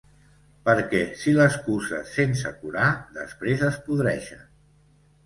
Perquè si les cuses sense curar, després es podreixen.